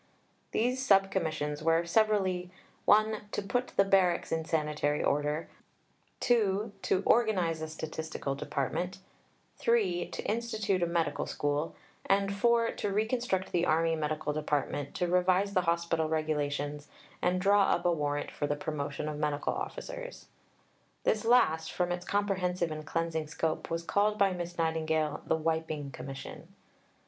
These Sub Commissions were severally (1) To put the Barracks in sanitary order, (2) To organize a Statistical Department, (3) To institute a Medical School, and (4) To reconstruct the Army Medical Department, to revise the Hospital Regulations, and draw up a Warrant for the Promotion of Medical Officers. This last, from its comprehensive and cleansing scope, was called by Miss Nightingale "The Wiping Commission."